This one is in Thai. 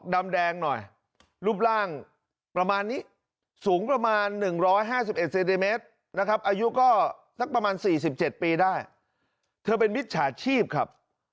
ดำแดงหน่อยรูปร่างประมาณนี้สูงประมาณหนึ่งร้อยห้าสิบ